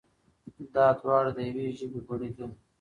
دا دواړه د يوې ژبې بڼې دي.